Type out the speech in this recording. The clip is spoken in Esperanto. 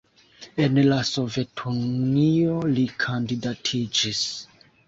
En la Sovetunio li kandidatiĝis.